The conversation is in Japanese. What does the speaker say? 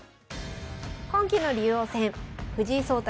今期の竜王戦藤井聡太